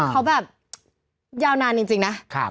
เขาแบบยาวนานจริงนะ